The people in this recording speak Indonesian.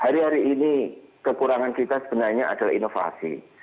hari hari ini kekurangan kita sebenarnya adalah inovasi